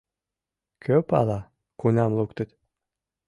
Кӧ пала, кунам луктыт...